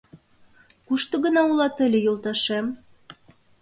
Кушто гына улат ыле, йолташем?